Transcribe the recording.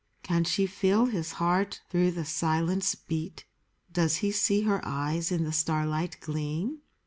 Can she feel his heart through the silence beat ? Does he see her eyes in the starlight gleam